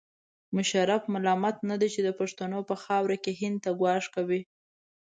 مشرف ملامت نه دی چې د پښتنو په خاوره کې هند ته ګواښ کوي.